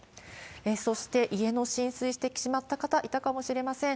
そして、家の浸水してしまった方、いたかもしれません。